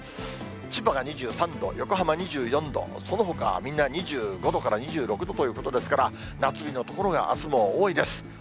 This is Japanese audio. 千葉が２３度、横浜２４度、そのほかはみんな２５度から２６度ということですから、夏日の所があすも多いです。